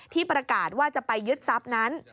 ที่ประกาศว่าจะไปยึดทรัพย์นั้น